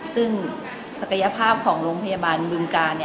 ซึ่งศักยภาพของโรงพยาบาลบึงกาล